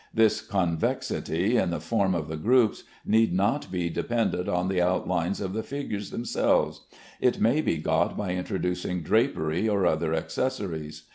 This convexity in the form of the groups need not be dependent on the outlines of the figures themselves; it may be got by introducing drapery or other accessories.